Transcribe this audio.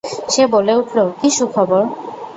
সে বলে উঠল, কী সুখবর!